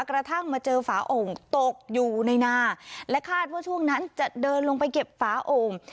กระทั่งมาเจอฝาโอ่งตกอยู่ในนาและคาดว่าช่วงนั้นจะเดินลงไปเก็บฝาโอ่ง